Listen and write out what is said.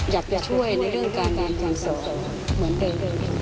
อยากช่วยในเรื่องการทางสอเหมือนเดิม